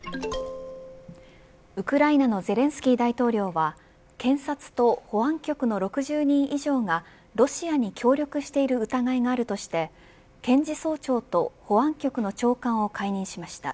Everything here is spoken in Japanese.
ウクライナのゼレンスキー大統領は検察と保安局の６０人以上がロシアに協力している疑いがあるとして検事総長と保安局の長官を解任しました。